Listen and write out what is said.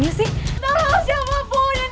aku mau ke tempat berapa